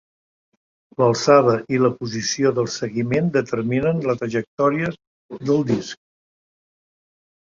L'alçada i la posició del seguiment determinen la trajectòria del disc.